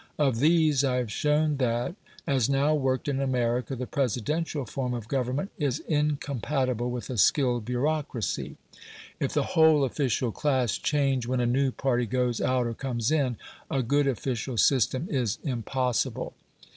Of these I have shown that, as now worked in America, the Presidential form of government is incompatible with a skilled bureaucracy. If the whole official class change when a new party goes out or comes in, a good official system is impossible.